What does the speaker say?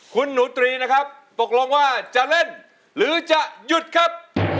คุณหนูตรีนะครับตกลงว่าจะเล่นหรือจะหยุดครับ